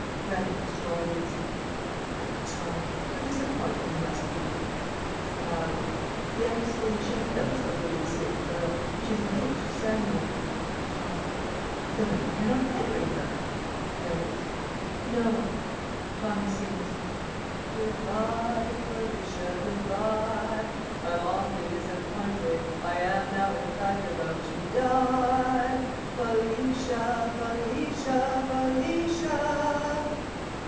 Reynolds (to audience). Poor Tommy! How disappointed he must be! (Aloud) Yes, Felicia and Phyllis are really the same girl. She's engaged to Samuel. Tommy. Then I cannot marry her! Reynolds. No. Tommy sings: Good bye, Felicia, good bye, I'm awfully disappointed, I Am now, in fact, about to die, Felicia, Felicia, Felicia!